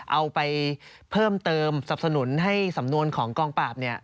เอาไปเพิ่มเติมสับสนุนให้สำนวนของกองปราบเนี่ย